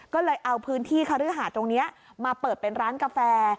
ก็เลยเอาพื้นที่คฤหาสตรงนี้มาเปิดเป็นร้านกาแฟ